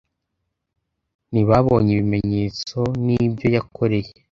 Ntibabonye ibimenyetso n ibyo yakoreye